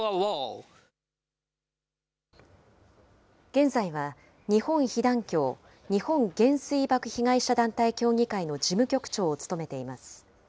現在は、日本被団協・日本原水爆被害者団体協議会の事務局長を務めています。